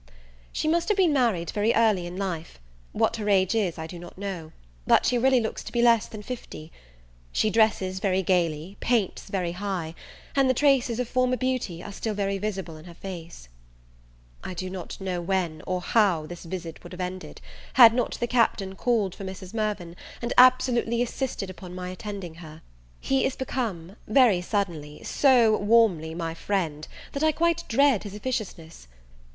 She must have been married very early in life: what her age is I do not know; but she really looks to be less than fifty. She dresses very gaily, paints very high, and the traces of former beauty are still very visible in her face. I know not when, or how, this visit would have ended, had not the Captain called for Mrs. Mirvan, and absolutely insisted upon my attending her. He is become, very suddenly, so warmly my friend, that I quite dread his officiousness.